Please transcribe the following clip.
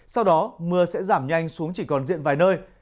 sau đó mưa sẽ giảm nhanh xuống chỉ còn diện vài nơi